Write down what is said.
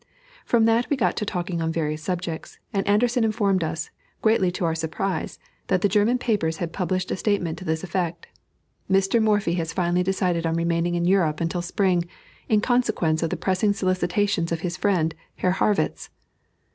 From that we got to talking on various subjects, and Anderssen informed us, greatly to our surprise, that the German papers had published a statement to this effect: "Mr. Morphy has finally decided on remaining in Europe until spring, in consequence of the pressing solicitations of his friend, Herr Harrwitz."